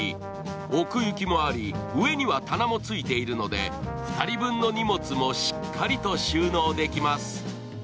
奥行きもあり、上には棚もついているので２人分の荷物もしっかりと収納できます。